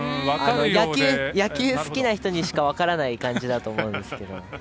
野球好きな人にしか分からない感じだと思うんですけど。